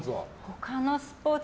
他のスポーツ